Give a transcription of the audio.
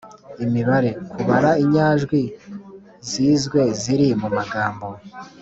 - imibare: kubara inyajwi zizwe ziri mu magambo